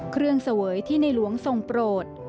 เครื่องเสวยที่ในหลวงทรงโปรด